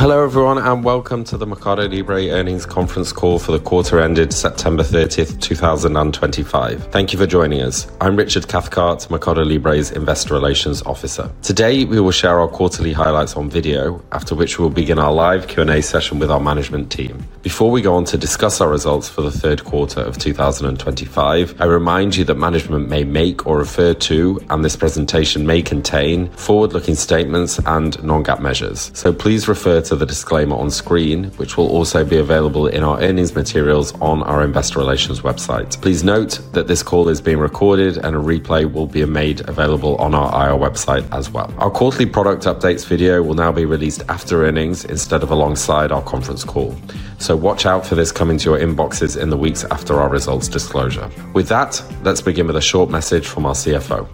Hello everyone and welcome to the MercadoLibre earnings conference call for the quarter ended September 30th, 2025. Thank you for joining us. I'm Richard Cathcart, MercadoLibre's Investor Relations Officer. Today, we will share our quarterly highlights on video, after which we will begin our live Q&A session with our management team. Before we go on to discuss our results for the third quarter of 2025, I remind you that management may make or refer to, and this presentation may contain, forward-looking statements and non-GAAP measures. Please refer to the disclaimer on screen, which will also be available in our earnings materials on our investor relations website. Please note that this call is being recorded and a replay will be made available on our IR website as well. Our quarterly product updates video will now be released after earnings instead of alongside our conference call. Watch out for this coming to your inboxes in the weeks after our results disclosure. With that, let's begin with a short message from our CFO.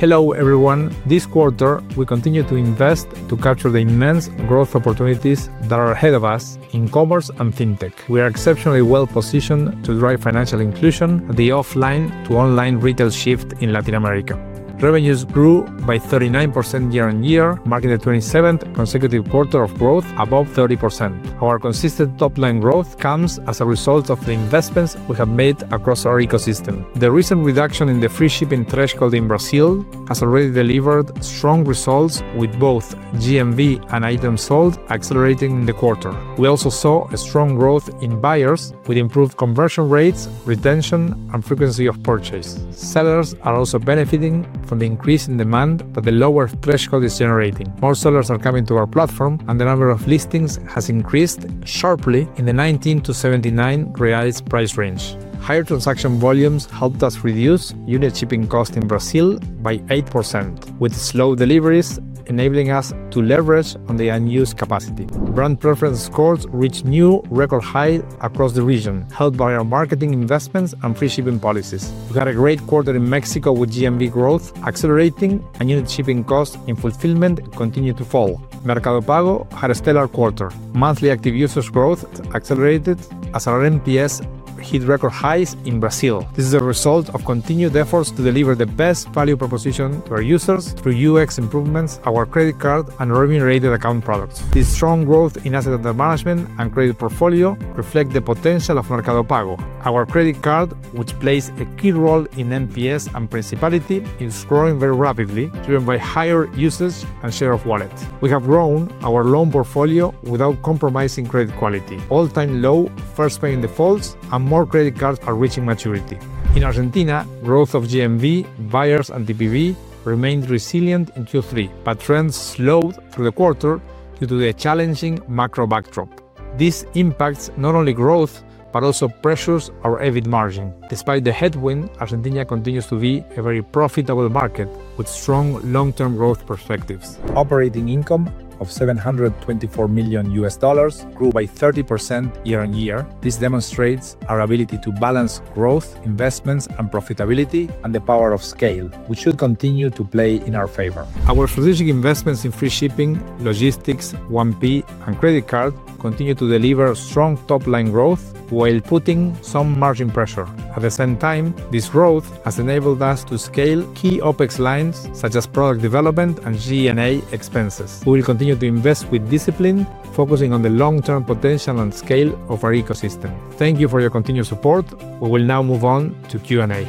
Hello everyone. This quarter, we continue to invest to capture the immense growth opportunities that are ahead of us in commerce and fintech. We are exceptionally well positioned to drive financial inclusion at the offline to online retail shift in Latin America. Revenues grew by 39% year-on-year, marking the 27th consecutive quarter of growth above 30%. Our consistent top-line growth comes as a result of the investments we have made across our ecosystem. The recent reduction in the free shipping threshold in Brazil has already delivered strong results, with both GMV and items sold accelerating in the quarter. We also saw strong growth in buyers with improved conversion rates, retention, and frequency of purchase. Sellers are also benefiting from the increase in demand that the lower threshold is generating. More sellers are coming to our platform, and the number of listings has increased sharply in the 19-79 reais price range. Higher transaction volumes helped us reduce unit shipping costs in Brazil by 8%, with slow deliveries enabling us to leverage on the unused capacity. Brand preference scores reached new record highs across the region, helped by our marketing investments and free shipping policies. We had a great quarter in Mexico with GMV growth accelerating, and unit shipping costs in fulfillment continued to fall. Mercado Pago had a stellar quarter. Monthly active users' growth accelerated as our NPS hit record highs in Brazil. This is a result of continued efforts to deliver the best value proposition to our users through UX improvements, our credit card, and revenue-rated account products. This strong growth in asset under management and credit portfolio reflects the potential of Mercado Pago. Our credit card, which plays a key role in NPS and principality, is growing very rapidly, driven by higher usage and share of wallet. We have grown our loan portfolio without compromising credit quality. All-time low first-paying defaults and more credit cards are reaching maturity. In Argentina, growth of GMV, buyers, and TPV remained resilient in Q3, but trends slowed through the quarter due to the challenging macro backdrop. This impacts not only growth but also pressures our EBIT margin. Despite the headwind, Argentina continues to be a very profitable market with strong long-term growth perspectives. Operating income of $724 million grew by 30% year-on-year. This demonstrates our ability to balance growth, investments, and profitability, and the power of scale, which should continue to play in our favor. Our strategic investments in free shipping, logistics, 1P, and credit card continue to deliver strong top-line growth while putting some margin pressure. At the same time, this growth has enabled us to scale key OpEx lines such as product development and G&A expenses. We will continue to invest with discipline, focusing on the long-term potential and scale of our ecosystem. Thank you for your continued support. We will now move on to Q&A.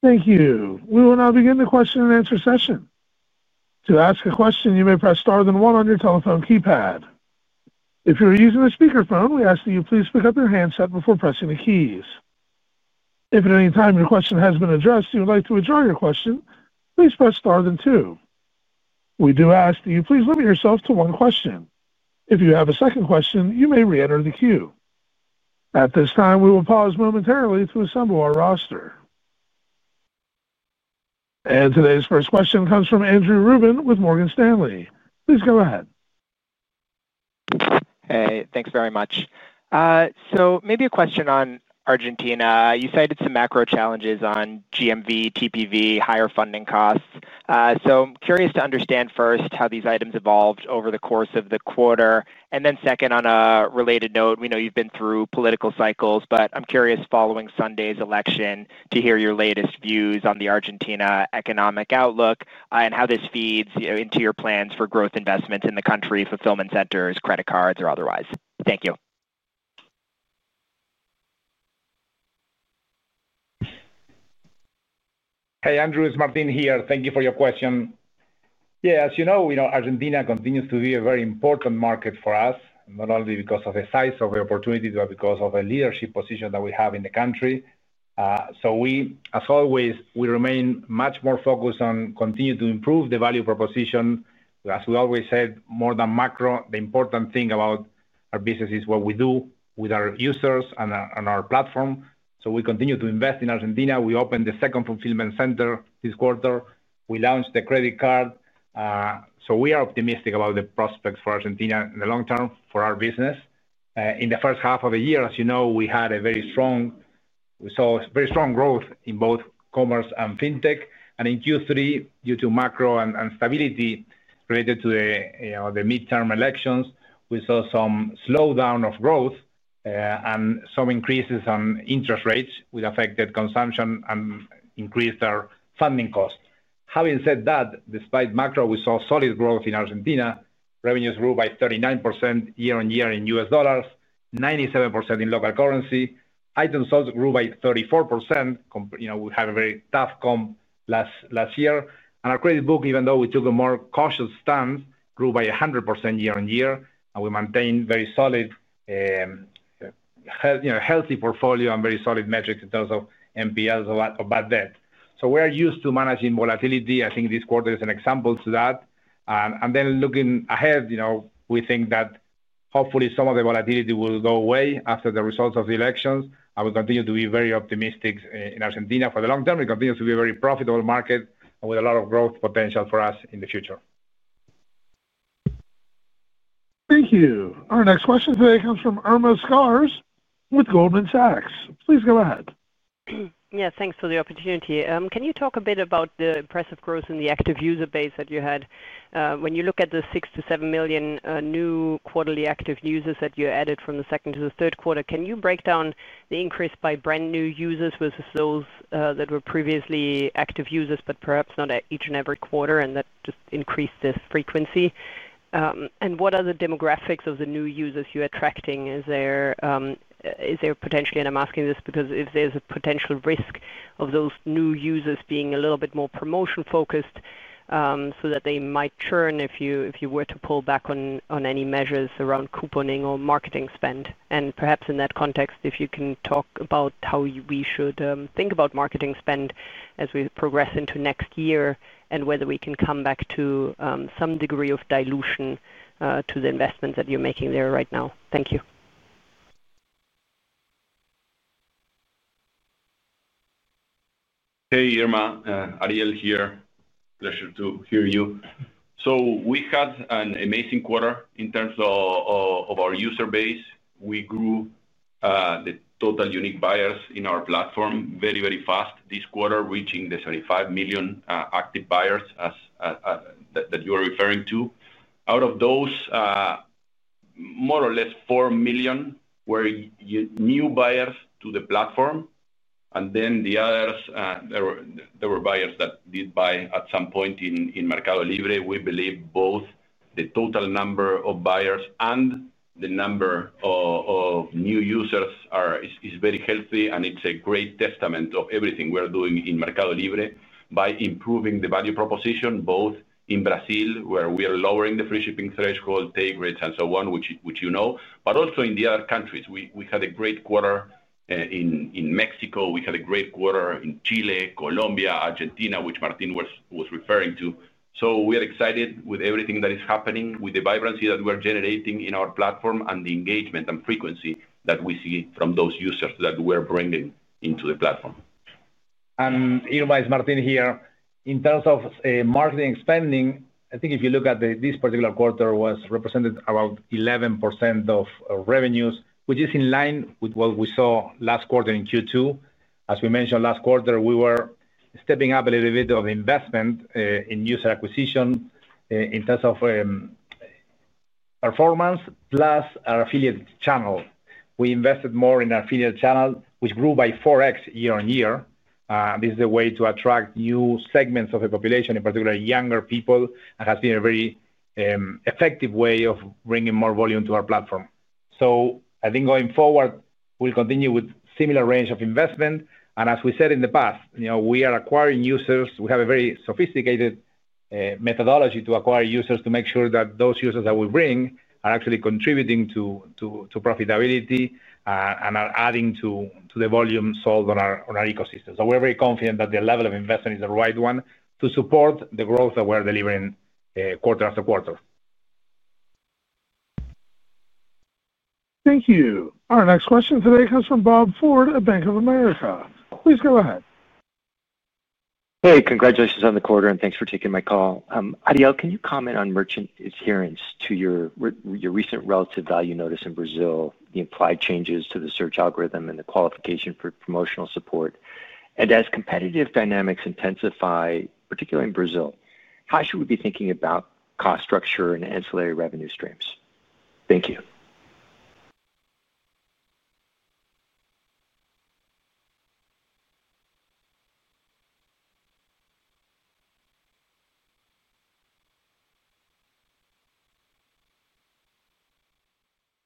Thank you. We will now begin the question and answer session. To ask a question, you may press star then one on your telephone keypad. If you're using a speakerphone, we ask that you please pick up your handset before pressing the keys. If at any time your question has been addressed or you would like to withdraw your question, please press star then two. We do ask that you please limit yourself to one question. If you have a second question, you may re-enter the queue. At this time, we will pause momentarily to assemble our roster. Today's first question comes from Andrew Ruben with Morgan Stanley. Please go ahead. Hey, thanks very much. Maybe a question on Argentina. You cited some macro challenges on GMV, TPV, higher funding costs. I'm curious to understand first how these items evolved over the course of the quarter. On a related note, we know you've been through political cycles, but I'm curious following Sunday's election to hear your latest views on the Argentina economic outlook, and how this feeds into your plans for growth investments in the country, fulfillment centers, credit cards, or otherwise. Thank you. Hey, Andrew, it's Martin here. Thank you for your question. As you know, Argentina continues to be a very important market for us, not only because of the size of the opportunity, but because of the leadership position that we have in the country. We, as always, remain much more focused on continuing to improve the value proposition. As we always said, more than macro, the important thing about our business is what we do with our users and our platform. We continue to invest in Argentina. We opened the second fulfillment center this quarter. We launched the credit card. We are optimistic about the prospects for Argentina in the long term for our business. In the first half of the year, as you know, we saw very strong growth in both commerce and fintech. In Q3, due to macro and stability related to the midterm elections, we saw some slowdown of growth, and some increases on interest rates, which affected consumption and increased our funding cost. Having said that, despite macro, we saw solid growth in Argentina. Revenues grew by 39% year-on-year in U.S. dollars, 97% in local currency. Items sold grew by 34%. We had a very tough comp last year. Our credit book, even though we took a more cautious stance, grew by 100% year-on-year. We maintained a very solid, healthy portfolio and very solid metrics in terms of NPS or bad debt. We are used to managing volatility. I think this quarter is an example to that. Looking ahead, we think that hopefully some of the volatility will go away after the results of the elections. We continue to be very optimistic in Argentina for the long term. It continues to be a very profitable market with a lot of growth potential for us in the future. Thank you. Our next question today comes from Irma Sgarz with Goldman Sachs. Please go ahead. Yeah, thanks for the opportunity. Can you talk a bit about the impressive growth in the active user base that you had? When you look at the 6 million-7 million new quarterly active users that you added from the second to the third quarter, can you break down the increase by brand new users versus those that were previously active users, but perhaps not at each and every quarter and that just increased this frequency? What are the demographics of the new users you're attracting? Is there potentially, and I'm asking this because if there's a potential risk of those new users being a little bit more promotion focused, so that they might churn if you were to pull back on any measures around couponing or marketing spend. Perhaps in that context, if you can talk about how we should think about marketing spend as we progress into next year and whether we can come back to some degree of dilution to the investments that you're making there right now. Thank you. Hey, Irma. Ariel here. Pleasure to hear you. We had an amazing quarter in terms of our user base. We grew the total unique buyers in our platform very, very fast this quarter, reaching the 75 million active buyers that you are referring to. Out of those, more or less 4 million were new buyers to the platform. The others were buyers that did buy at some point in MercadoLibre. We believe both the total number of buyers and the number of new users is very healthy, and it's a great testament of everything we're doing in MercadoLibre by improving the value proposition both in Brazil, where we are lowering the free shipping threshold, take rates, and so on, which you know, but also in the other countries. We had a great quarter in Mexico, a great quarter in Chile, Colombia, Argentina, which Martin was referring to. We are excited with everything that is happening, with the vibrancy that we're generating in our platform and the engagement and frequency that we see from those users that we're bringing into the platform. Irma, this is Martin here. In terms of marketing spending, I think if you look at this particular quarter, it was represented around 11% of revenues, which is in line with what we saw last quarter in Q2. As we mentioned last quarter, we were stepping up a little bit of investment in user acquisition in terms of performance plus our affiliate channel. We invested more in our affiliate channel, which grew by 4x year-on-year. This is a way to attract new segments of the population, in particular younger people, and has been a very effective way of bringing more volume to our platform. I think going forward, we'll continue with a similar range of investment. As we said in the past, you know, we are acquiring users. We have a very sophisticated methodology to acquire users to make sure that those users that we bring are actually contributing to profitability and are adding to the volume sold on our ecosystem. We're very confident that the level of investment is the right one to support the growth that we're delivering quarter after quarter. Thank you. Our next question today comes from Bob Ford at Bank of America. Please go ahead. Hey, congratulations on the quarter and thanks for taking my call. Ariel, can you comment on Merchant's adherence to your recent relative value notice in Brazil, the implied changes to the search algorithm, and the qualification for promotional support? As competitive dynamics intensify, particularly in Brazil, how should we be thinking about cost structure and ancillary revenue streams? Thank you.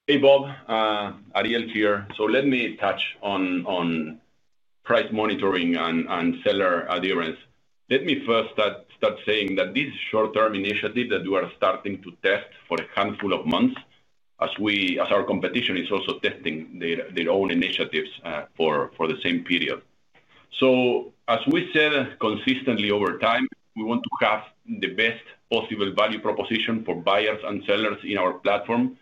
Hey, Bob. Ariel here. Let me touch on price monitoring and seller adherence. Let me first start saying that this short-term initiative that we are starting to test for a handful of months, as our competition is also testing their own initiatives for the same period. As we said consistently over time, we want to have the best possible value proposition for buyers and sellers in our platform.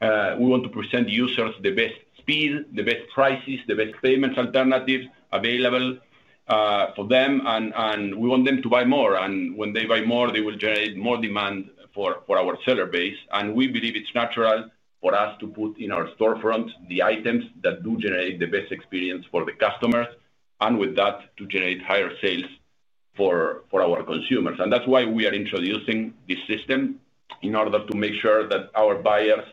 We want to present users the best speed, the best prices, the best payments alternatives available for them, and we want them to buy more. When they buy more, they will generate more demand for our seller base. We believe it's natural for us to put in our storefronts the items that do generate the best experience for the customers, and with that, to generate higher sales for our consumers. That's why we are introducing this system in order to make sure that our buyers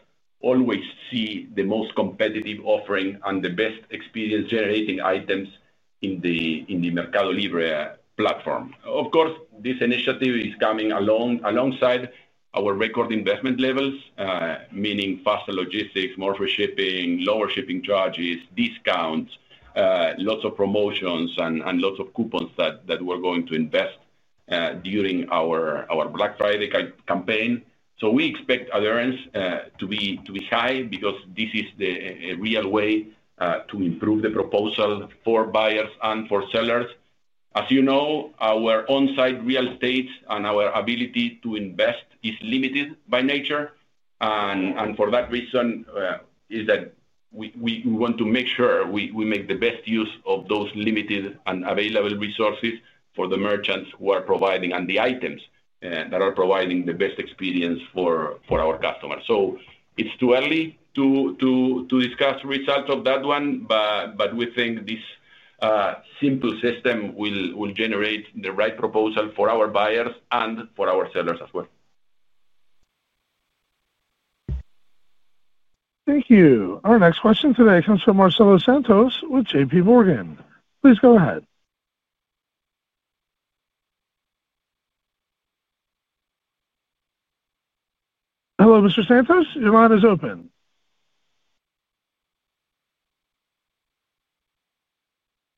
always see the most competitive offering and the best experience-generating items in the MercadoLibre platform. Of course, this initiative is coming alongside our record investment levels, meaning faster logistics, more free shipping, lower shipping charges, discounts, lots of promotions, and lots of coupons that we're going to invest during our Black Friday campaign. We expect adherence to be high because this is the real way to improve the proposal for buyers and for sellers. As you know, our onsite real estate and our ability to invest is limited by nature. For that reason, we want to make sure we make the best use of those limited and available resources for the merchants who are providing and the items that are providing the best experience for our customers. It's too early to discuss the results of that one, but we think this simple system will generate the right proposal for our buyers and for our sellers as well. Thank you. Our next question today comes from Marcelo Santos with JPMorgan. Please go ahead. Hello, Mr. Santos. Your line is open.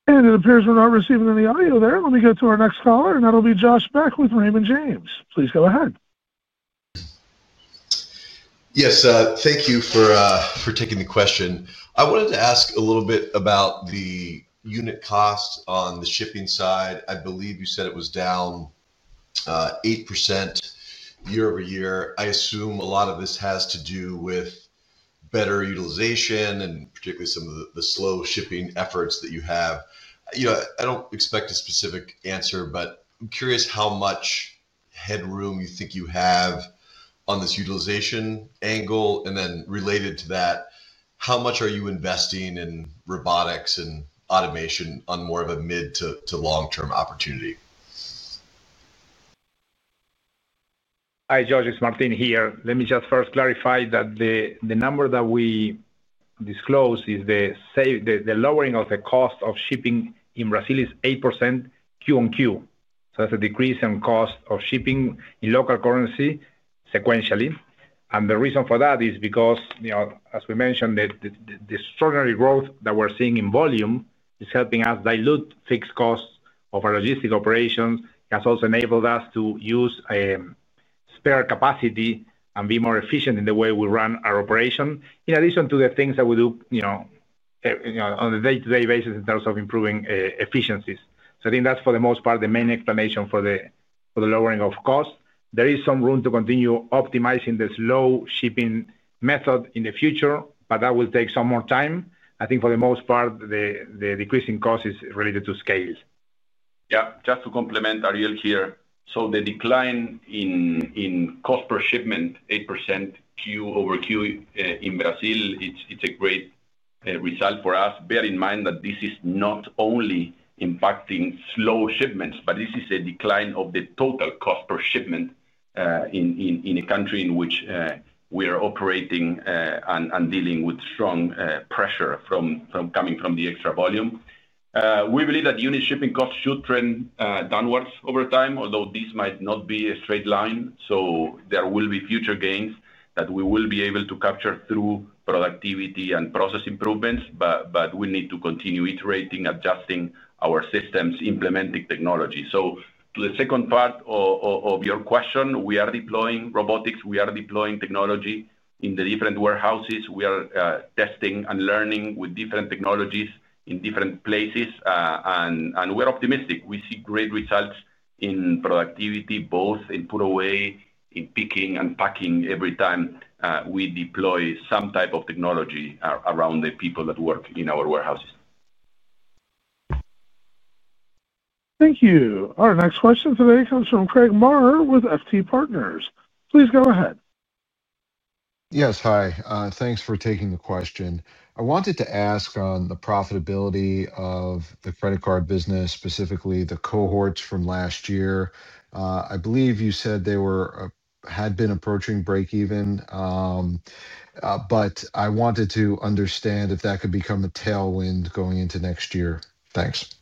It appears we're not receiving any audio there. Let me go to our next caller, that'll be Josh Beck with Raymond James. Please go ahead. Yes, thank you for taking the question. I wanted to ask a little bit about the unit cost on the shipping side. I believe you said it was down 8% year-over-year. I assume a lot of this has to do with better utilization and particularly some of the slow shipping efforts that you have. I don't expect a specific answer, but I'm curious how much headroom you think you have on this utilization angle. Related to that, how much are you investing in robotics and automation on more of a mid to long-term opportunity? Hi, Josh. It's Martin here. Let me just first clarify that the number that we disclosed is the lowering of the cost of shipping in Brazil is 8% Q-on-Q. That's a decrease in cost of shipping in local currency sequentially. The reason for that is because, as we mentioned, the extraordinary growth that we're seeing in volume is helping us dilute fixed costs of our logistic operations. It has also enabled us to use spare capacity and be more efficient in the way we run our operation, in addition to the things that we do on a day-to-day basis in terms of improving efficiencies. I think that's for the most part the main explanation for the lowering of costs. There is some room to continue optimizing the slow shipping method in the future, but that will take some more time. I think for the most part, the decrease in cost is related to scale. Yeah, just to complement Ariel here. The decline in cost per shipment, 8% Q-over-Q in Brazil, it's a great result for us. Bear in mind that this is not only impacting slow shipments, but this is a decline of the total cost per shipment in a country in which we are operating and dealing with strong pressure coming from the extra volume. We believe that unit shipping costs should trend downwards over time, although this might not be a straight line. There will be future gains that we will be able to capture through productivity and process improvements, but we need to continue iterating, adjusting our systems, implementing technology. To the second part of your question, we are deploying robotics, we are deploying technology in the different warehouses. We are testing and learning with different technologies in different places, and we're optimistic. We see great results in productivity, both in put away, in picking, and packing every time we deploy some type of technology around the people that work in our warehouses. Thank you. Our next question today comes from Craig Maurer with FT Partners. Please go ahead. Yes, hi. Thanks for taking the question. I wanted to ask on the profitability of the credit card business, specifically the cohorts from last year. I believe you said they had been approaching break even, but I wanted to understand if that could become a tailwind going into next year. Thanks.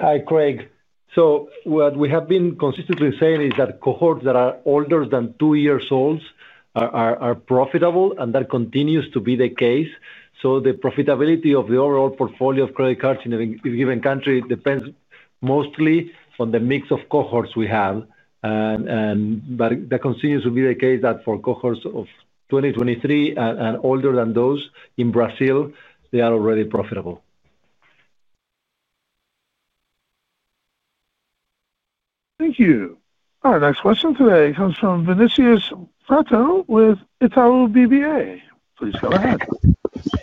Hi, Craig. What we have been consistently saying is that cohorts that are older than two years old are profitable, and that continues to be the case. The profitability of the overall portfolio of credit cards in a given country depends mostly on the mix of cohorts we have. That continues to be the case that for cohorts of 2023 and older than those in Brazil, they are already profitable. Thank you. Our next question today comes from Vinicius Pretto with Itaú BBA. Please go ahead.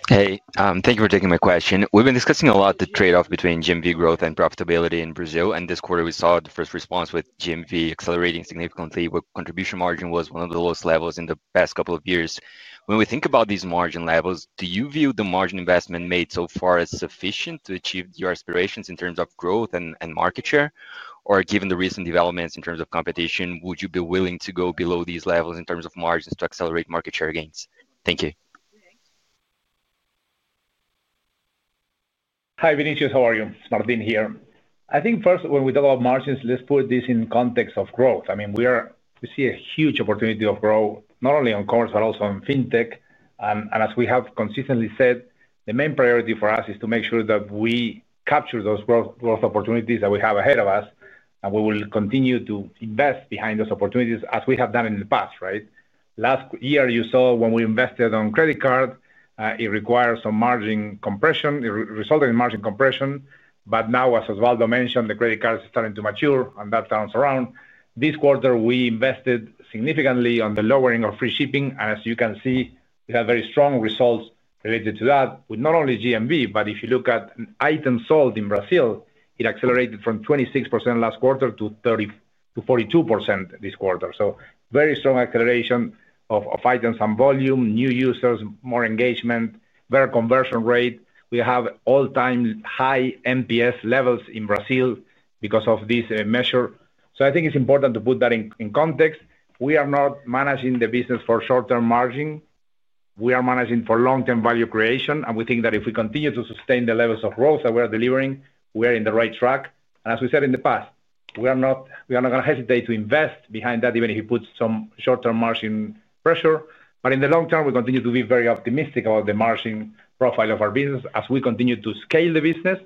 Hey, thank you for taking my question. We've been discussing a lot the trade-off between GMV growth and profitability in Brazil. This quarter, we saw the first response with GMV accelerating significantly, with contribution margin at one of the lowest levels in the past couple of years. When we think about these margin levels, do you view the margin investment made so far as sufficient to achieve your aspirations in terms of growth and market share? Given the recent developments in terms of competition, would you be willing to go below these levels in terms of margins to accelerate market share gains? Thank you. Hi, Vinicius. How are you? Martin here. I think first, when we talk about margins, let's put this in context of growth. I mean, we see a huge opportunity of growth, not only on commerce, but also on fintech. As we have consistently said, the main priority for us is to make sure that we capture those growth opportunities that we have ahead of us. We will continue to invest behind those opportunities as we have done in the past, right? Last year, you saw when we invested on credit card, it required some margin compression. It resulted in margin compression. Now, as Osvaldo mentioned, the credit cards are starting to mature, and that turns around. This quarter, we invested significantly on the lowering of free shipping. As you can see, we had very strong results related to that, with not only GMV, but if you look at items sold in Brazil, it accelerated from 26% last quarter to 42% this quarter. Very strong acceleration of items and volume, new users, more engagement, better conversion rate. We have all-time high NPS levels in Brazil because of this measure. I think it's important to put that in context. We are not managing the business for short-term margin. We are managing for long-term value creation. We think that if we continue to sustain the levels of growth that we are delivering, we are in the right track. As we said in the past, we are not going to hesitate to invest behind that, even if it puts some short-term margin pressure. In the long term, we continue to be very optimistic about the margin profile of our business as we continue to scale the business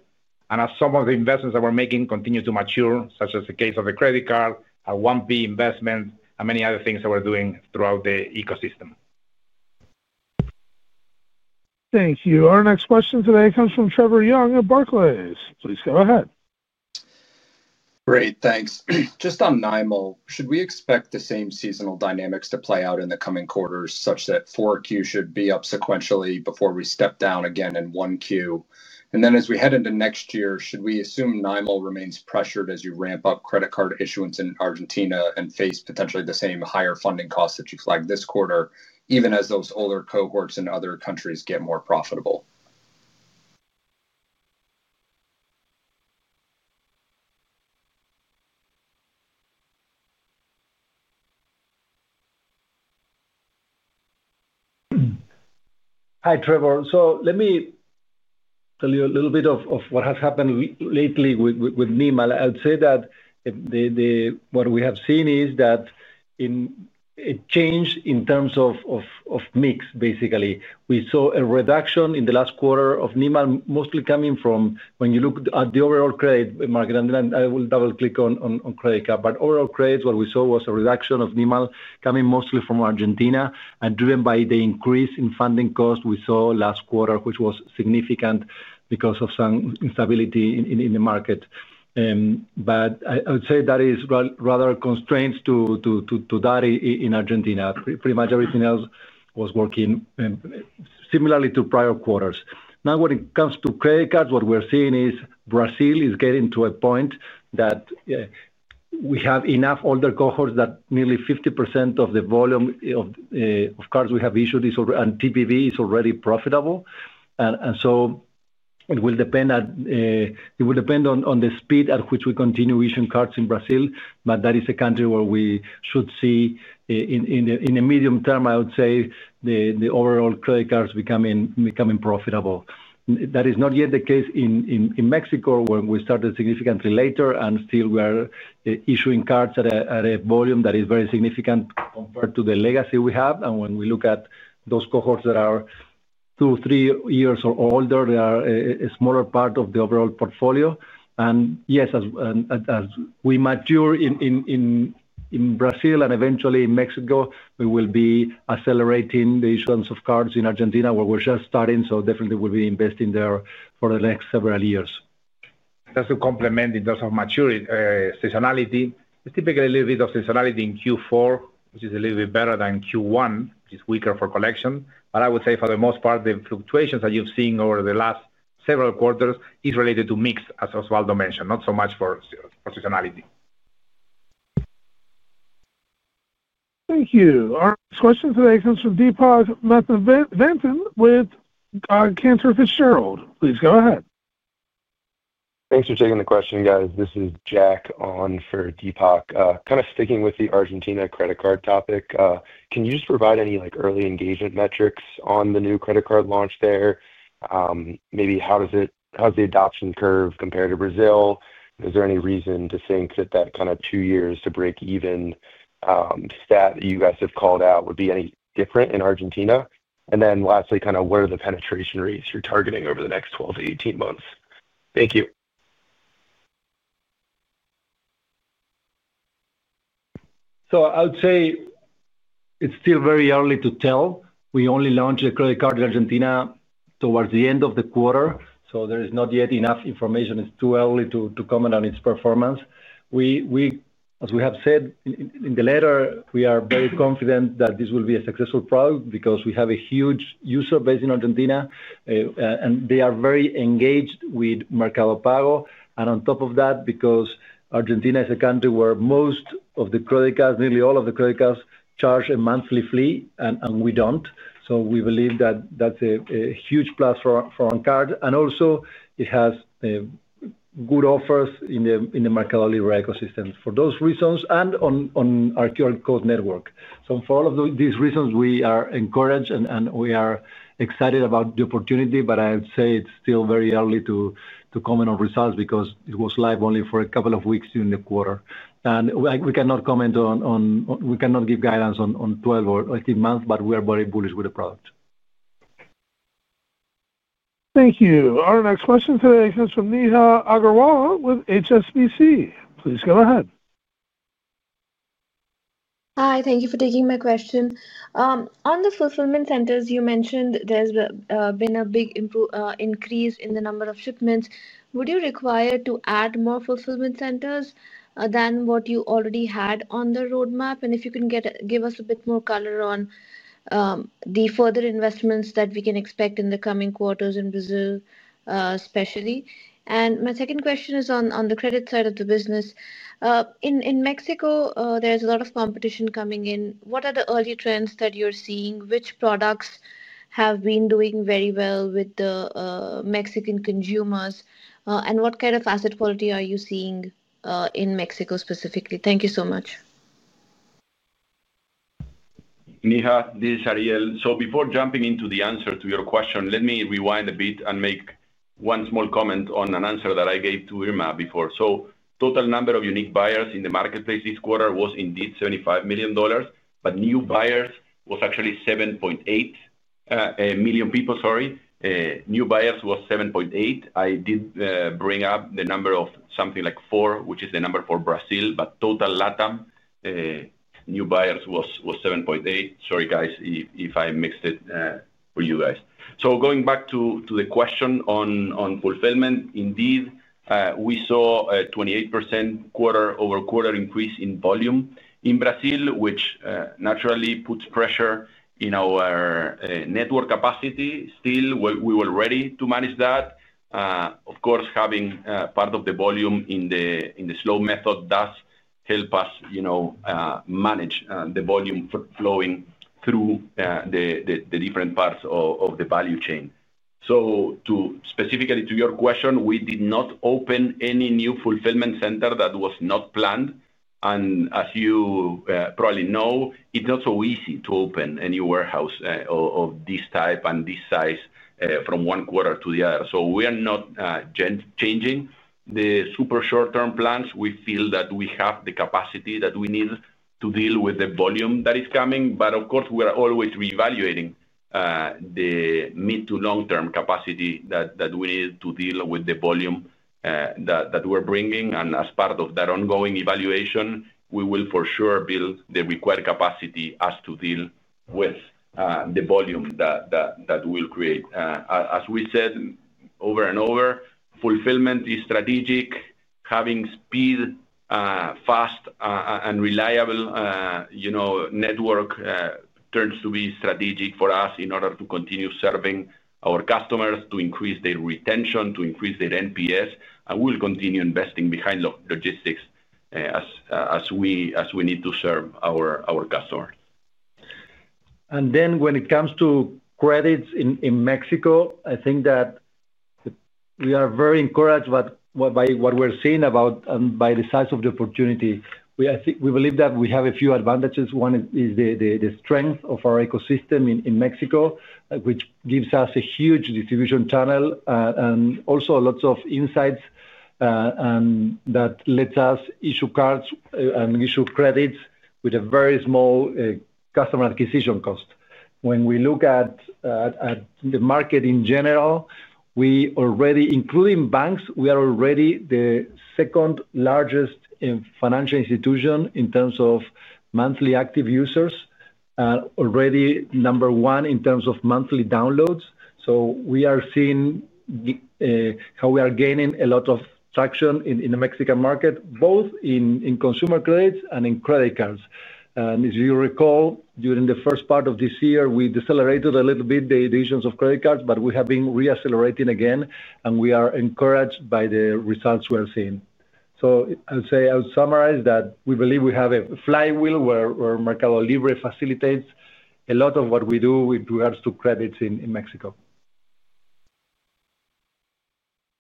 and as some of the investments that we're making continue to mature, such as the case of the credit card, our 1P investment, and many other things that we're doing throughout the ecosystem. Thank you. Our next question today comes from Trevor Young of Barclays. Please go ahead. Great, thanks. Just on NIMAL, should we expect the same seasonal dynamics to play out in the coming quarters, such that 4Q should be up sequentially before we step down again in 1Q? As we head into next year, should we assume NIMAL remains pressured as you ramp up credit card issuance in Argentina and face potentially the same higher funding costs that you flagged this quarter, even as those older cohorts in other countries get more profitable? Hi, Trevor. Let me tell you a little bit of what has happened lately with NIMAL. I would say that what we have seen is that it changed in terms of mix, basically. We saw a reduction in the last quarter of NIMAL, mostly coming from when you look at the overall credit market. I will double-click on credit card. Overall credits, what we saw was a reduction of NIMAL coming mostly from Argentina and driven by the increase in funding costs we saw last quarter, which was significant because of some instability in the market. I would say that is rather constrained to that in Argentina. Pretty much everything else was working similarly to prior quarters. Now, when it comes to credit cards, what we're seeing is Brazil is getting to a point that we have enough older cohorts that nearly 50% of the volume of cards we have issued and TPV is already profitable. It will depend on the speed at which we continue issuing cards in Brazil. That is a country where we should see, in the medium term, the overall credit cards becoming profitable. That is not yet the case in Mexico, where we started significantly later and still we are issuing cards at a volume that is very significant compared to the legacy we have. When we look at those cohorts that are two, three years older, they are a smaller part of the overall portfolio. As we mature in Brazil and eventually in Mexico, we will be accelerating the issuance of cards in Argentina, where we're just starting. Definitely, we'll be investing there for the next several years. Just to complement in terms of maturity, seasonality, it's typically a little bit of seasonality in Q4, which is a little bit better than Q1, which is weaker for collection. I would say, for the most part, the fluctuations that you've seen over the last several quarters are related to mix, as Osvaldo mentioned, not so much for seasonality. Thank you. Our next question today comes from Deepak Mathivanan with Cantor Fitzgerald. Please go ahead. Thanks for taking the question, guys. This is Jack on for Deepak. Kind of sticking with the Argentina credit card topic, can you just provide any early engagement metrics on the new credit card launch there? Maybe how does the adoption curve compare to Brazil? Is there any reason to think that that kind of two years to break even stat that you guys have called out would be any different in Argentina? Lastly, kind of what are the penetration rates you're targeting over the next 12-18 months? Thank you. I would say it's still very early to tell. We only launched a credit card in Argentina towards the end of the quarter, so there is not yet enough information. It's too early to comment on its performance. As we have said in the letter, we are very confident that this will be a successful product because we have a huge user base in Argentina, and they are very engaged with Mercado Pago. On top of that, because Argentina is a country where most of the credit cards, nearly all of the credit cards, charge a monthly fee and we don't, we believe that that's a huge plus for cards. Also, it has good offers in the MercadoLibre ecosystem for those reasons and on our QR code network. For all of these reasons, we are encouraged and we are excited about the opportunity. I would say it's still very early to comment on results because it was live only for a couple of weeks during the quarter. We cannot comment on, we cannot give guidance on 12-18 months, but we are very bullish with the product. Thank you. Our next question today comes from Neha Agarwala with HSBC. Please go ahead. Hi, thank you for taking my question. On the fulfillment centers, you mentioned there's been a big increase in the number of shipments. Would you require to add more fulfillment centers than what you already had on the roadmap? If you can give us a bit more color on the further investments that we can expect in the coming quarters in Brazil, especially. My second question is on the credit side of the business. In Mexico, there's a lot of competition coming in. What are the early trends that you're seeing? Which products have been doing very well with the Mexican consumers? What kind of asset quality are you seeing in Mexico specifically? Thank you so much. Neha, this is Ariel. Before jumping into the answer to your question, let me rewind a bit and make one small comment on an answer that I gave to Irma before. The total number of unique buyers in the marketplace this quarter was indeed 75 million, but new buyers was actually 7.8 million people, sorry. New buyers was 7.8 million. I did bring up the number of something like 4 million, which is the number for Brazil, but total LatAm new buyers was 7.8 million. Sorry, guys, if I mixed it for you guys. Going back to the question on fulfillment, indeed, we saw a 28% quarter-over-quarter increase in volume in Brazil, which naturally puts pressure in our network capacity. Still, we were ready to manage that. Having part of the volume in the slow method does help us manage the volume flowing through the different parts of the value chain. Specifically to your question, we did not open any new fulfillment center that was not planned. As you probably know, it's not so easy to open a new warehouse of this type and this size from one quarter to the other. We are not changing the super short-term plans. We feel that we have the capacity that we need to deal with the volume that is coming. We are always reevaluating the mid to long-term capacity that we need to deal with the volume that we're bringing. As part of that ongoing evaluation, we will for sure build the required capacity to deal with the volume that we'll create. As we said over and over, fulfillment is strategic. Having speed, fast, and reliable network turns to be strategic for us in order to continue serving our customers, to increase their retention, to increase their NPS. We'll continue investing behind logistics as we need to serve our customers. When it comes to credits in Mexico, I think that we are very encouraged by what we're seeing about and by the size of the opportunity. I think we believe that we have a few advantages. One is the strength of our ecosystem in Mexico, which gives us a huge distribution channel and also lots of insights that let us issue cards and issue credits with a very small customer acquisition cost. When we look at the market in general, including banks, we are already the second largest financial institution in terms of monthly active users and already number one in terms of monthly downloads. We are seeing how we are gaining a lot of traction in the Mexican market, both in consumer credits and in credit cards. As you recall, during the first part of this year, we decelerated a little bit the issuance of credit cards, but we have been reaccelerating again. We are encouraged by the results we are seeing. I would summarize that we believe we have a flywheel where MercadoLibre facilitates a lot of what we do with regards to credits in Mexico.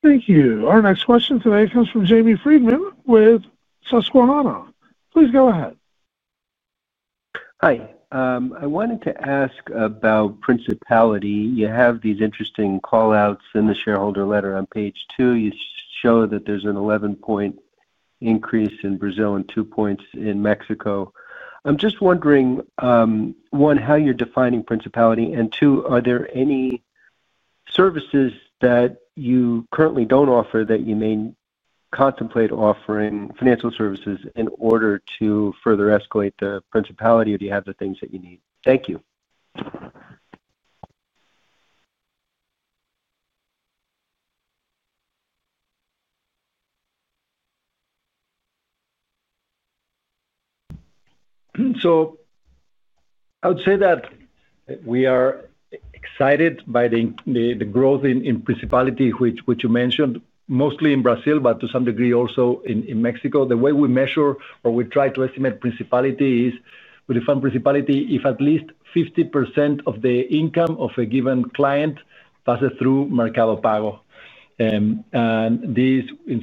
Thank you. Our next question today comes from Jamie Friedman with Susquehanna. Please go ahead. Hi. I wanted to ask about principality. You have these interesting callouts in the shareholder letter on page two. You show that there's an 11 point increase in Brazil and 2 points in Mexico. I'm just wondering, one, how you're defining principality? Two, are there any services that you currently don't offer that you may contemplate offering financial services in order to further escalate the principality? Or do you have the things that you need? Thank you. We are excited by the growth in principality, which you mentioned, mostly in Brazil, but to some degree also in Mexico. The way we measure or we try to estimate principality is we define principality if at least 50% of the income of a given client passes through Mercado Pago. In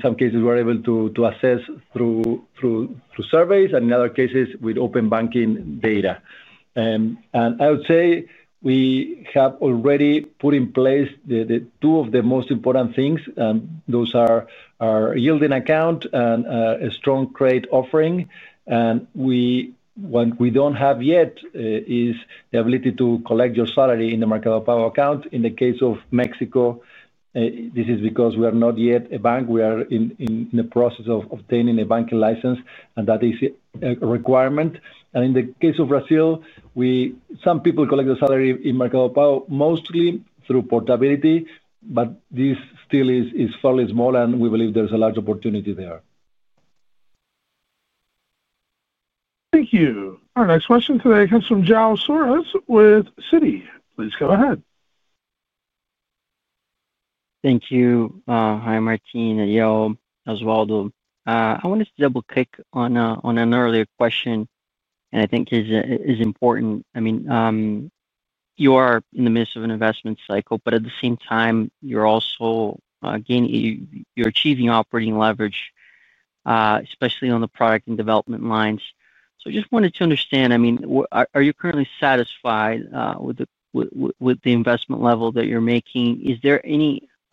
some cases, we're able to assess this through surveys and in other cases with open banking data. We have already put in place two of the most important things. Those are our yielding account and a strong credit offering. What we don't have yet is the ability to collect your salary in the Mercado Pago account. In the case of Mexico, this is because we are not yet a bank. We are in the process of obtaining a banking license, and that is a requirement. In the case of Brazil, some people collect their salary in Mercado Pago mostly through portability, but this still is fairly small. We believe there's a large opportunity there. Thank you. Our next question today comes from João Soares with Citi. Please go ahead. Thank you. Hi, Martin, Ariel, Osvaldo. I wanted to double-click on an earlier question. I think it is important. I mean, you are in the midst of an investment cycle, but at the same time, you're also gaining, you're achieving operating leverage, especially on the product and development lines. I just wanted to understand, are you currently satisfied with the investment level that you're making?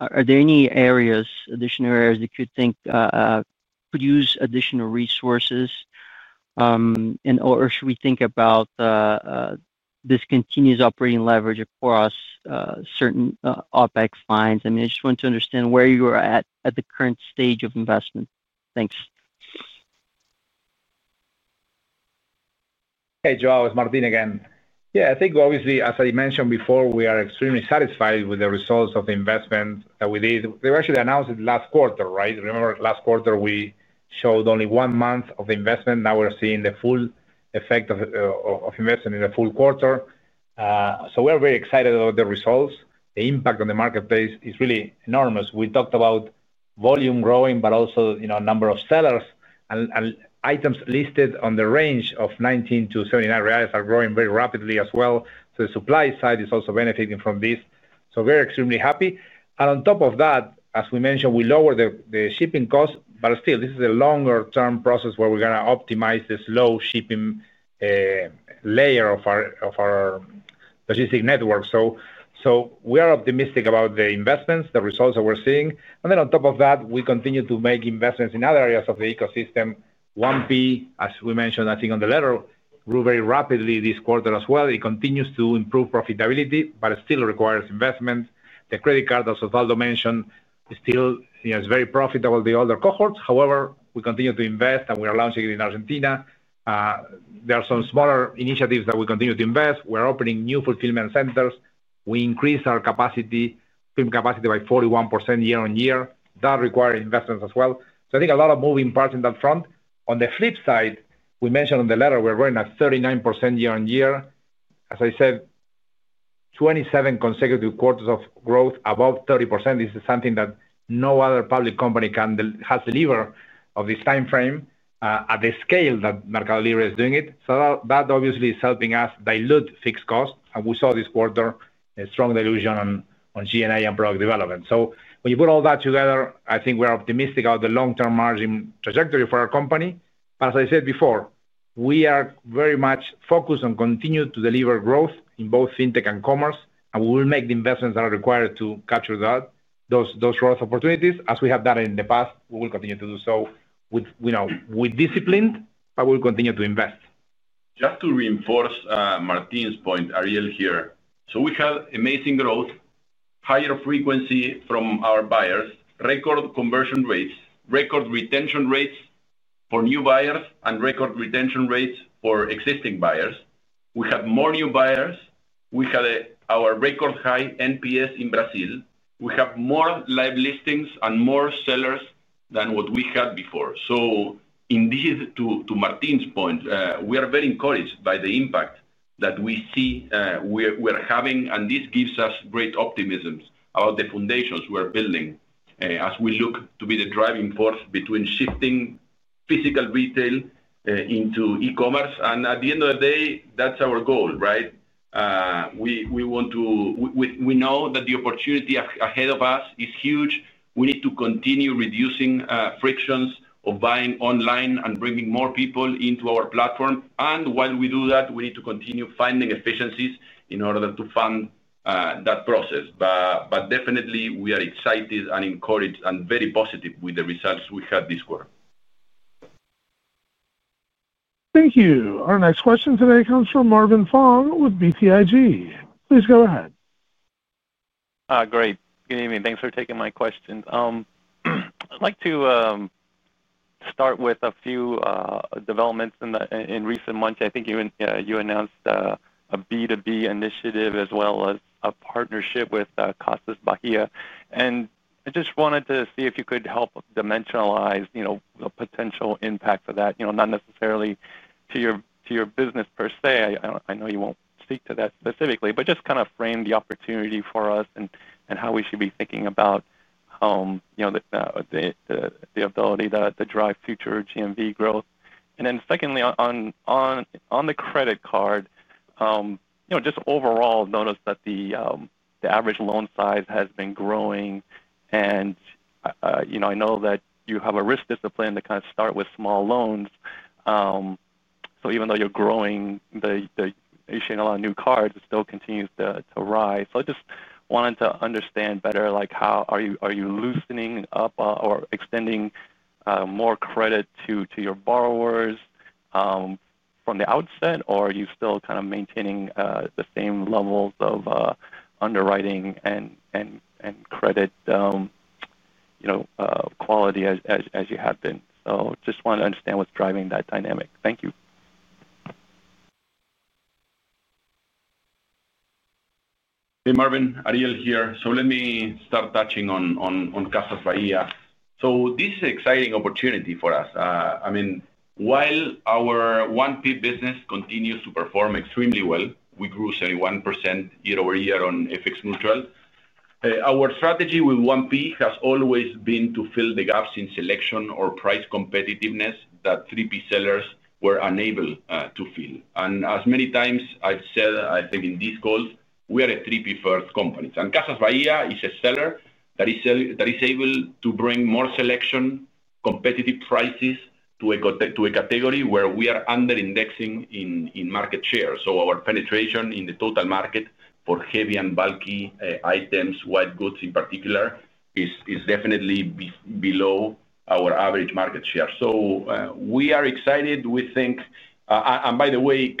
Are there any areas, additional areas that you think could use additional resources? Should we think about this continuous operating leverage across certain OpEx lines? I just want to understand where you are at at the current stage of investment. Thanks. Hey, João. It's Martin again. Yeah, I think obviously, as I mentioned before, we are extremely satisfied with the results of the investment that we did. We actually announced it last quarter, right? Remember last quarter, we showed only one month of the investment. Now we're seeing the full effect of investing in the full quarter. We are very excited about the results. The impact on the marketplace is really enormous. We talked about volume growing, but also the number of sellers and items listed on the range of 19-79 are growing very rapidly as well. The supply side is also benefiting from this. We are extremely happy. As we mentioned, we lowered the shipping costs. This is a longer-term process where we are going to optimize the slow shipping layer of our logistic network. We are optimistic about the investments, the results that we're seeing. On top of that, we continue to make investments in other areas of the ecosystem. 1P, as we mentioned, I think on the letter, grew very rapidly this quarter as well. It continues to improve profitability, but it still requires investment. The credit card that Osvaldo mentioned is still very profitable, the older cohorts. However, we continue to invest and we are launching it in Argentina. There are some smaller initiatives that we continue to invest. We're opening new fulfillment centers. We increased our fulfillment capacity by 41% year-on-year. That required investments as well. I think a lot of moving parts in that front. On the flip side, we mentioned on the letter we're growing at 39% year-on-year. As I said, 27 consecutive quarters of growth above 30%. This is something that no other public company has delivered of this time frame at the scale that MercadoLibre is doing it. That obviously is helping us dilute fixed costs. We saw this quarter a strong dilution on [GMV] and product development. When you put all that together, I think we're optimistic about the long-term margin trajectory for our company. As I said before, we are very much focused on continuing to deliver growth in both fintech and commerce. We will make the investments that are required to capture those growth opportunities. As we have done in the past, we will continue to do so with discipline, but we'll continue to invest. Just to reinforce Martin's point, Ariel here. We had amazing growth, higher frequency from our buyers, record conversion rates, record retention rates for new buyers, and record retention rates for existing buyers. We had more new buyers. We had our record high NPS in Brazil. We have more live listings and more sellers than what we had before. Indeed, to Martin's point, we are very encouraged by the impact that we see we're having. This gives us great optimism about the foundations we're building as we look to be the driving force between shifting physical retail into e-commerce. At the end of the day, that's our goal, right? We want to. We know that the opportunity ahead of us is huge. We need to continue reducing frictions of buying online and bringing more people into our platform. While we do that, we need to continue finding efficiencies in order to fund that process. Definitely, we are excited and encouraged and very positive with the results we had this quarter. Thank you. Our next question today comes from Marvin Fong with BTIG. Please go ahead. Great. Good evening. Thanks for taking my question. I'd like to start with a few developments in recent months. I think you announced a B2B initiative as well as a partnership with Casas Bahia. I just wanted to see if you could help dimensionalize the potential impact for that, you know, not necessarily to your business per se. I know you won't speak to that specifically, but just kind of frame the opportunity for us and how we should be thinking about the ability to drive future GMV growth. Secondly, on the credit card, you know, just overall notice that the average loan size has been growing. I know that you have a risk discipline to kind of start with small loans. Even though you're growing, you're issuing a lot of new cards, it still continues to rise. I just wanted to understand better, like how are you loosening up or extending more credit to your borrowers from the outset? Are you still kind of maintaining the same levels of underwriting and credit quality as you have been? I just wanted to understand what's driving that dynamic. Thank you. Hey, Marvin. Ariel here. Let me start touching on Casas Bahia. This is an exciting opportunity for us. While our 1P business continues to perform extremely well, we grew 71% year-over-year on FX Neutral. Our strategy with 1P has always been to fill the gaps in selection or price competitiveness that 3P sellers were unable to fill. As many times I've said in these calls, we are a 3P first company. Casas Bahia is a seller that is able to bring more selection and competitive prices to a category where we are under-indexing in market share. Our penetration in the total market for heavy and bulky items, white goods in particular, is definitely below our average market share. We are excited.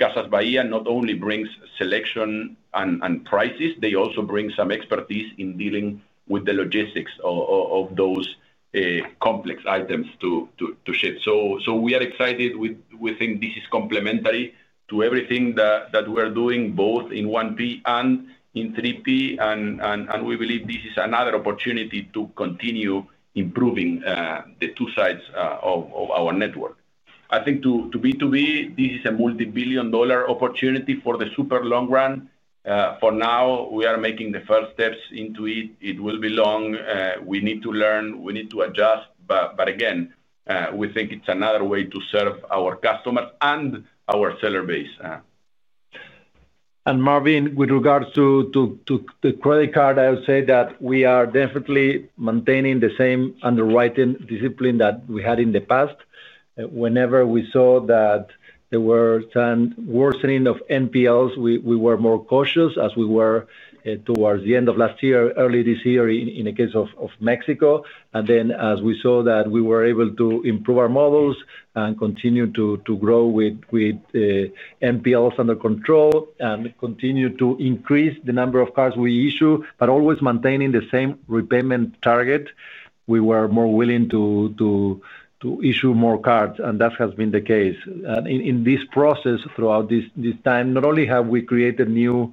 Casas Bahia not only brings selection and prices, they also bring some expertise in dealing with the logistics of those complex items to ship. We think this is complementary to everything that we're doing, both in 1P and in 3P. We believe this is another opportunity to continue improving the two sides of our network. To B2B, this is a multi-billion dollar opportunity for the super long run. For now, we are making the first steps into it. It will be long. We need to learn. We need to adjust. We think it's another way to serve our customers and our seller base. Marvin, with regards to the credit card, I would say that we are definitely maintaining the same underwriting discipline that we had in the past. Whenever we saw that there was a worsening of NPLs, we were more cautious as we were towards the end of last year, early this year in the case of Mexico. As we saw that we were able to improve our models and continue to grow with NPLs under control and continue to increase the number of cards we issue, but always maintaining the same repayment target, we were more willing to issue more cards. That has been the case. In this process, throughout this time, not only have we created new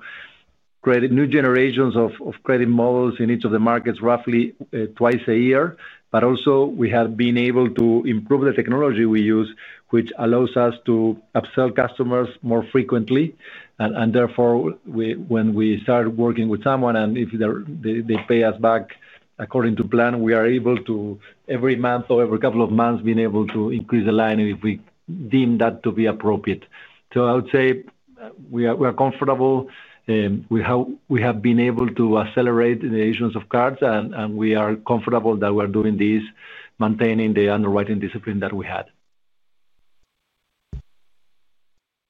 generations of credit models in each of the markets roughly twice a year, but also we have been able to improve the technology we use, which allows us to upsell customers more frequently. Therefore, when we start working with someone, and if they pay us back according to plan, we are able to every month or every couple of months increase the line if we deem that to be appropriate. I would say we are comfortable. We have been able to accelerate the issuance of cards. We are comfortable that we are doing this, maintaining the underwriting discipline that we had.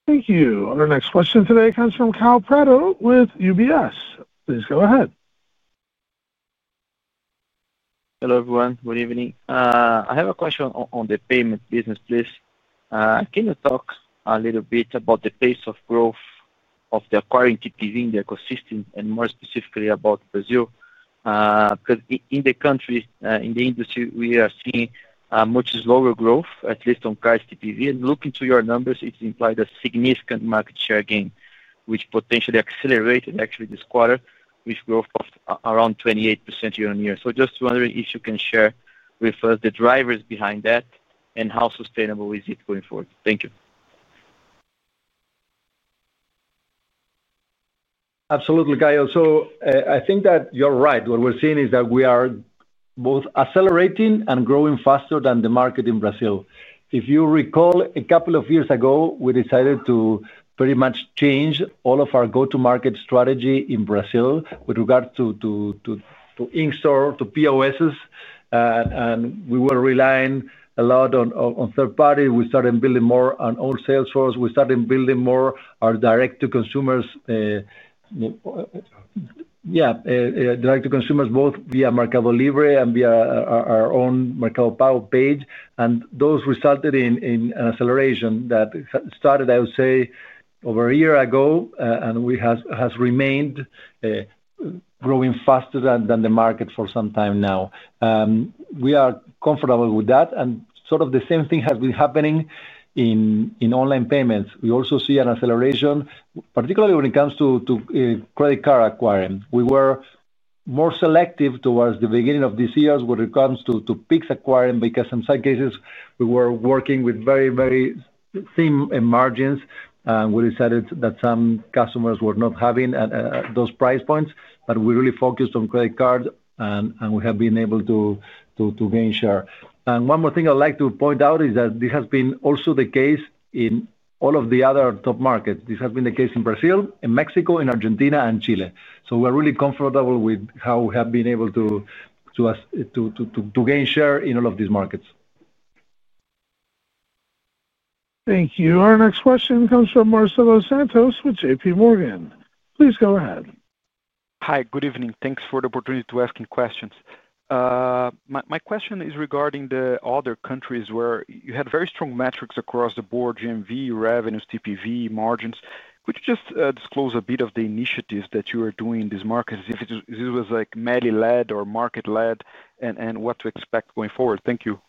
Thank you. Our next question today comes from [Carl Prado] with UBS. Please go ahead. Hello everyone. Good evening. I have a question on the payment business, please. Can you talk a little bit about the pace of growth of the acquiring TPV in the ecosystem, and more specifically about Brazil? In the country, in the industry, we are seeing much slower growth, at least on card TPV. Looking to your numbers, it implies a significant market share gain, which potentially accelerated actually this quarter with growth of around 28% year-on-year. I am just wondering if you can share with us the drivers behind that and how sustainable is it going forward. Thank you. Absolutely, [Caio]. I think that you're right. What we're seeing is that we are both accelerating and growing faster than the market in Brazil. If you recall, a couple of years ago, we decided to pretty much change all of our go-to-market strategy in Brazil with regards to in-store, to POSs. We were relying a lot on third parties. We started building more on our own salesforce. We started building more our direct-to-consumers, yeah, direct-to-consumers both via MercadoLibre and via our own Mercado Pago page. Those resulted in an acceleration that started, I would say, over a year ago. It has remained growing faster than the market for some time now. We are comfortable with that. The same thing has been happening in online payments. We also see an acceleration, particularly when it comes to credit card acquiring. We were more selective towards the beginning of this year when it comes to Pix acquiring because in some cases, we were working with very, very thin margins. We decided that some customers were not having those price points. We really focused on credit cards. We have been able to gain share. One more thing I'd like to point out is that this has been also the case in all of the other top markets. This has been the case in Brazil, in Mexico, in Argentina, and Chile. We're really comfortable with how we have been able to gain share in all of these markets. Thank you. Our next question comes from Marcelo Santos with JPMorgan. Please go ahead. Hi, good evening. Thanks for the opportunity to ask some questions. My question is regarding the other countries where you had very strong metrics across the board: GMV, revenues, TPV, margins. Could you just disclose a bit of the initiatives that you are doing in these markets? If this was like MELI-led or market-led and what to expect going forward. Thank you.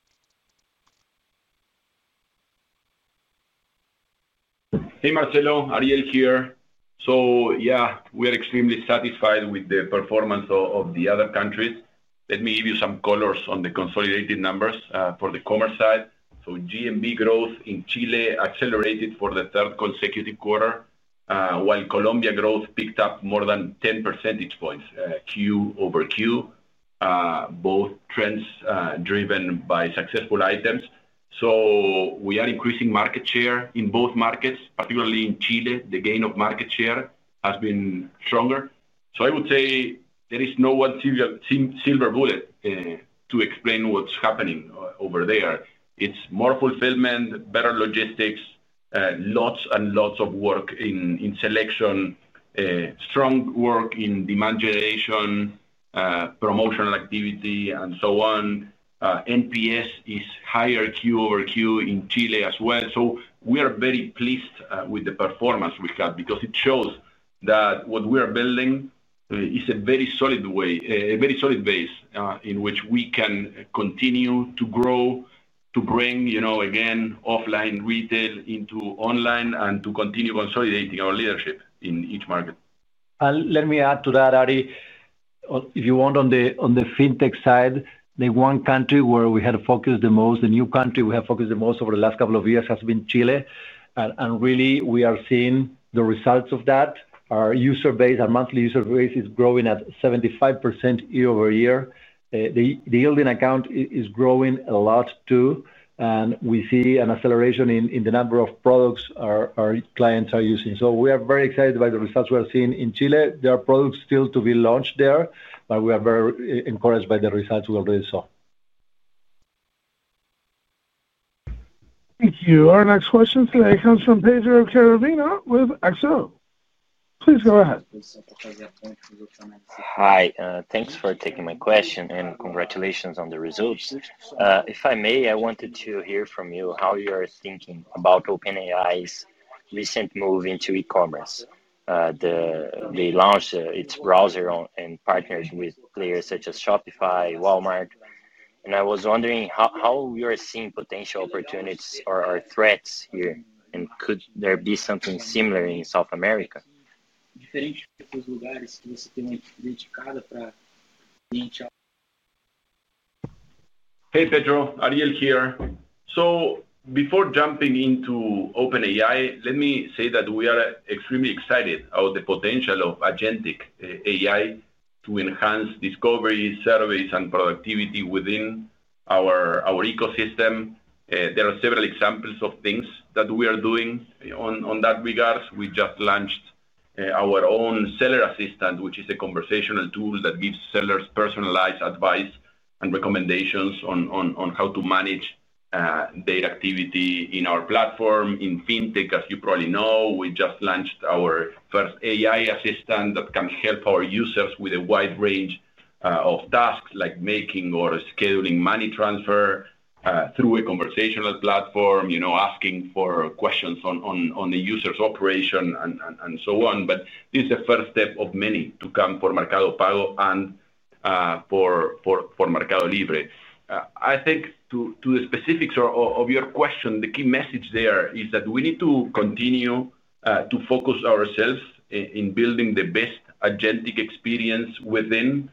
Hey, Marcelo. Ariel here. Yeah, we are extremely satisfied with the performance of the other countries. Let me give you some colors on the consolidated numbers for the commerce side. GMV growth in Chile accelerated for the third consecutive quarter, while Colombia growth picked up more than 10 percentage points Q-over-Q, both trends driven by successful items. We are increasing market share in both markets, particularly in Chile. The gain of market share has been stronger. I would say there is no one silver bullet to explain what's happening over there. It is more fulfillment, better logistics, lots and lots of work in selection, strong work in demand generation, promotional activity, and so on. NPS is higher Q-over-Q in Chile as well. We are very pleased with the performance we've got because it shows that what we are building is a very solid way, a very solid base in which we can continue to grow, to bring, you know, again, offline retail into online and to continue consolidating our leadership in each market. Let me add to that, Ari, if you want, on the fintech side, the one country where we had focused the most, the new country we have focused the most over the last couple of years has been Chile. We are seeing the results of that. Our user base, our monthly user base, is growing at 75% year-over-year. The yielding account is growing a lot too. We see an acceleration in the number of products our clients are using. We are very excited by the results we are seeing in Chile. There are products still to be launched there, but we are very encouraged by the results we already saw. Thank you. Our next question today comes from [Pedro Arnt with Axxo]. Please go ahead. Hi. Thanks for taking my question and congratulations on the results. If I may, I wanted to hear from you how you are thinking about OpenAI's recent move into e-commerce. They launched its browser and partnered with players such as Shopify and Walmart. I was wondering how you are seeing potential opportunities or threats here. Could there be something similar in South America? Hey, Pedro. Ariel here. Before jumping into OpenAI, let me say that we are extremely excited about the potential of Agentic AI to enhance discovery, surveys, and productivity within our ecosystem. There are several examples of things that we are doing in that regard. We just launched our own seller assistant, which is a conversational tool that gives sellers personalized advice and recommendations on how to manage their activity in our platform. In fintech, as you probably know, we just launched our first AI assistant that can help our users with a wide range of tasks, like making or scheduling money transfer through a conversational platform, asking for questions on the user's operation and so on. This is the first step of many to come for Mercado Pago and for MercadoLibre. I think to the specifics of your question, the key message there is that we need to continue to focus ourselves in building the best Agentic experience within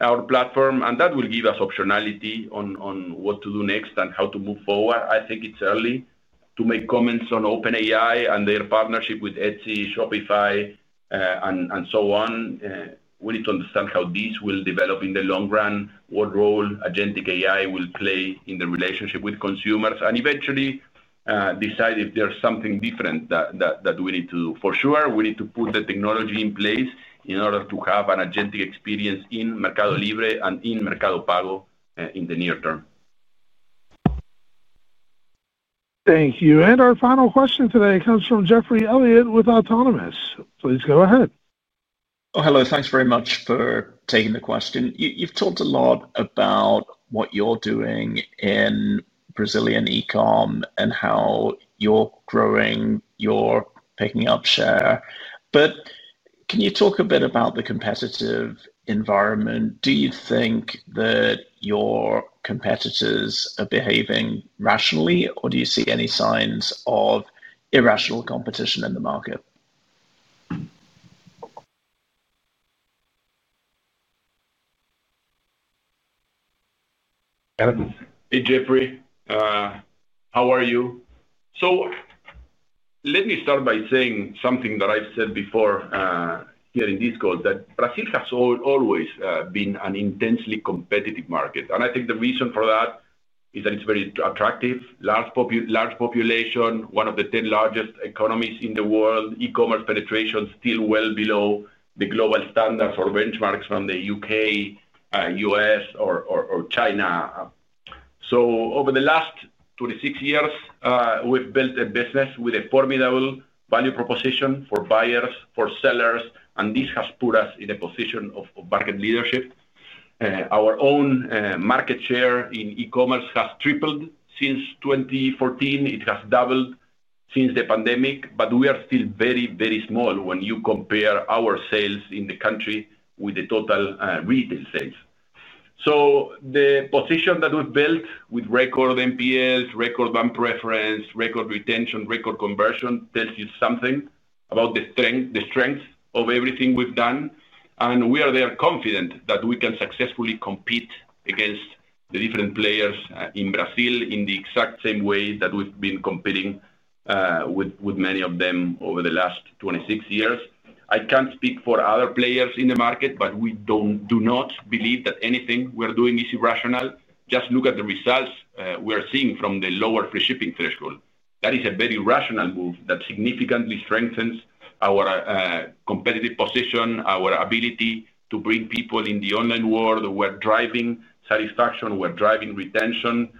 our platform. That will give us optionality on what to do next and how to move forward. I think it's early to make comments on OpenAI and their partnership with Etsy, Shopify, and so on. We need to understand how this will develop in the long run, what role Agentic AI will play in the relationship with consumers, and eventually decide if there's something different that we need to do. For sure, we need to put the technology in place in order to have an agentic experience in MercadoLibre and in Mercado Pago in the near term. Thank you. Our final question today comes from Geoffrey Elliott with Autonomous. Please go ahead. Hello. Thanks very much for taking the question. You've talked a lot about what you're doing in Brazilian e-comm and how you're growing, you're picking up share. Can you talk a bit about the competitive environment? Do you think that your competitors are behaving rationally? Do you see any signs of irrational competition in the market? Hey, Jeffrey. How are you? Let me start by saying something that I've said before here in these calls, that Brazil has always been an intensely competitive market. I think the reason for that is that it's very attractive, large population, one of the 10 largest economies in the world. E-commerce penetration is still well below the global standards or benchmarks from the U.K., U.S., or China. Over the last 26 years, we've built a business with a formidable value proposition for buyers, for sellers. This has put us in a position of market leadership. Our own market share in e-commerce has tripled since 2014. It has doubled since the pandemic. We are still very, very small when you compare our sales in the country with the total retail sales. The position that we've built with record NPS, record van preference, record retention, record conversion tells you something about the strength of everything we've done. We are confident that we can successfully compete against the different players in Brazil in the exact same way that we've been competing with many of them over the last 26 years. I can't speak for other players in the market, but we do not believe that anything we're doing is irrational. Just look at the results we are seeing from the lower free shipping threshold. That is a very rational move that significantly strengthens our competitive position, our ability to bring people in the online world. We're driving satisfaction. We're driving retention.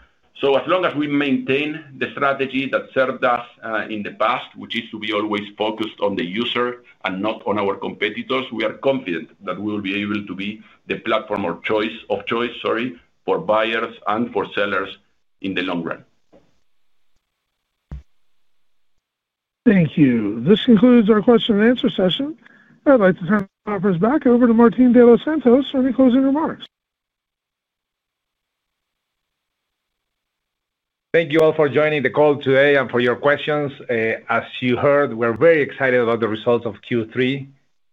As long as we maintain the strategy that served us in the past, which is to be always focused on the user and not on our competitors, we are confident that we will be able to be the platform of choice for buyers and for sellers in the long run. Thank you. This concludes our question and answer session. I'd like to turn the conference back over to Martin de los Santos for any closing remarks. Thank you all for joining the call today and for your questions. As you heard, we're very excited about the results of Q3.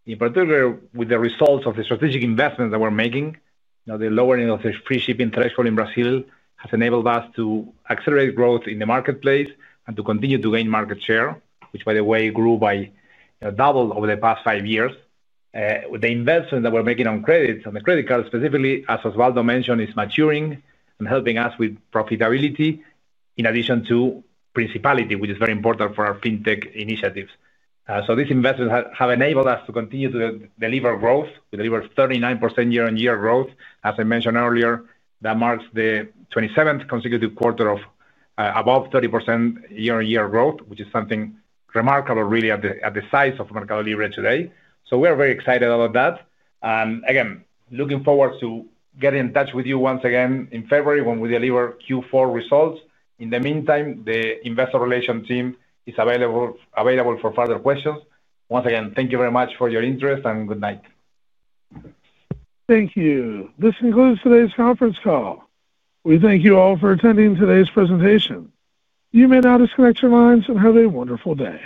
In particular, with the results of the strategic investments that we're making, the lowering of the free shipping threshold in Brazil has enabled us to accelerate growth in the marketplace and to continue to gain market share, which, by the way, grew by double over the past five years. The investment that we're making on credits, on the credit card specifically, as Osvaldo mentioned, is maturing and helping us with profitability in addition to principality, which is very important for our fintech initiatives. These investments have enabled us to continue to deliver growth. We deliver 39% year-on-year growth. As I mentioned earlier, that marks the 27th consecutive quarter of above 30% year-on-year growth, which is something remarkable, really, at the size of MercadoLibre today. We're very excited about that. Looking forward to getting in touch with you once again in February when we deliver Q4 results. In the meantime, the investor relations team is available for further questions. Once again, thank you very much for your interest and good night. Thank you. This concludes today's conference call. We thank you all for attending today's presentation. You may now disconnect your lines and have a wonderful day.